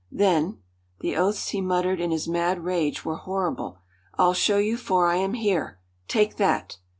"Then (the oaths he muttered in his mad rage were horrible) I'll show you for I am here! Take that!"